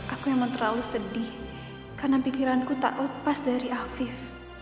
aku memang terlalu sedih karena pikiranku tak lepas dari afif